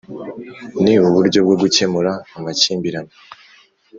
Ni Uburyo bwo gukemura amakimbirane